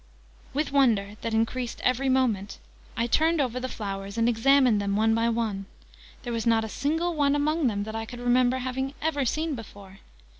With wonder, that increased every moment, I turned over the flowers, and examined them one by one: there was not a single one among them that I could remember having ever seen before.